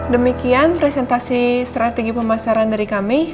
demikian presentasi strategi pemasaran dari kami